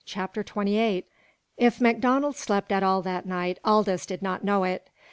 CHAPTER XXVIII If MacDonald slept at all that night Aldous did not know it.